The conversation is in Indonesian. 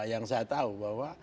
yang saya tahu bahwa